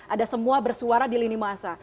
ada semua bersuara di lini masa